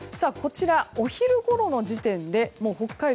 お昼ごろの時点で北海道